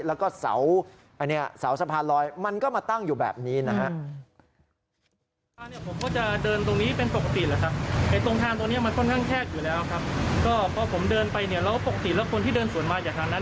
แล้วก็เสาสะพานลอยมันก็มาตั้งอยู่แบบนี้นะฮะ